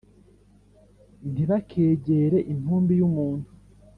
Ntibakegere intumbi y’umuntu